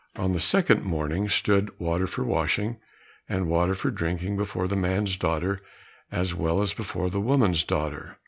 On the second morning, stood water for washing and water for drinking before the man's daughter as well as before the woman's daughter.